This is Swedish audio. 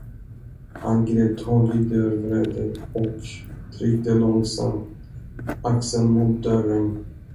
Han grep tag i dörrvredet och tryckte långsamt axeln mot dörren.